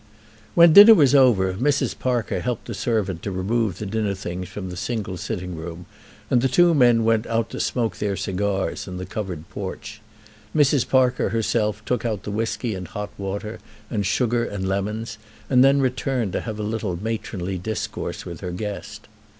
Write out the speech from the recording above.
When dinner was over Mrs. Parker helped the servant to remove the dinner things from the single sitting room, and the two men went out to smoke their cigars in the covered porch. Mrs. Parker herself took out the whisky and hot water, and sugar and lemons, and then returned to have a little matronly discourse with her guest.